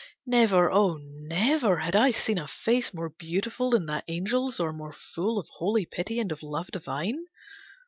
Never, oh never had I seen a face More beautiful than that Angel's, or more full Of holy pity and of love divine.